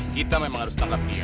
kita memang harus tangkap dia